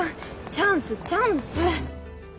チャンスチャンス。